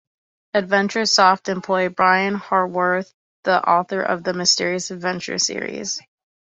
Adventure Soft employed Brian Howarth, the author of the "Mysterious Adventures" series.